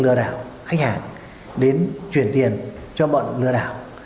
lừa đảo khách hàng đến chuyển tiền cho bọn lừa đảo